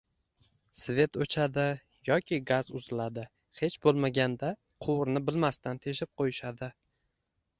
Svet oʻchadi yoki gaz uziladi, hech boʻlmaganda quvurni “bilmasdan” teshib qoʻyishadi.